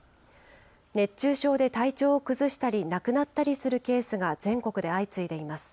熱中症で体調を崩したり、亡くなったりするケースが全国で相次いでいます。